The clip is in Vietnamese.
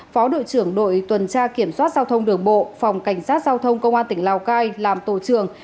phó đội trưởng đội tuần tra kiểm soát giao thông đường bộ phòng cảnh sát giao thông công an tỉnh lào cai làm tổ trường